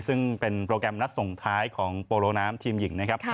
ซึ่งเป็นโปรแกรมนัดส่งท้ายของโปโลน้ำทีมหญิงนะครับ